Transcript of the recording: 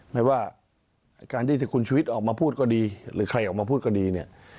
ไม่ว่าการที่คุณชุวิตออกมาพูดก็ดีหรือใครออกมาพูดก็ดีเนี่ย